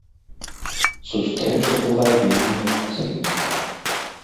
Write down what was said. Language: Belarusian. Сустрэча была вельмі эмацыйная.